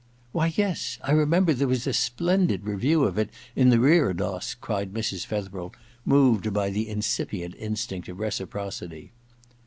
* Why, yes — I remember there was a splendid review of it in the Reredos !' cried Mrs. Fetherel, moved by the incipient instinct of reciprocity.